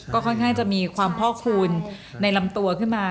ก็ค่อนข้างจะมีความพ่อคูณในลำตัวขึ้นมา